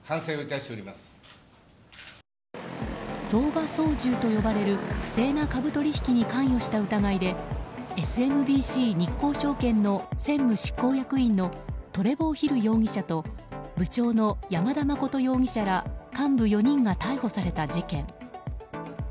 相場操縦と呼ばれる不正な株取引に関与した疑いでＳＭＢＣ日興証券の専務執行役員のトレボー・ヒル容疑者と部長の山田誠容疑者ら幹部４人が逮捕された事件。